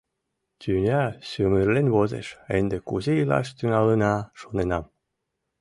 Тӱня сӱмырлен возеш, ынде кузе илаш тӱҥалына, шоненам.